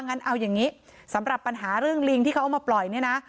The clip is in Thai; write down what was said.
งั้นเอาอย่างนี้สำหรับปัญหาเรื่องลิงที่เขาเอามาปล่อยเนี่ยนะ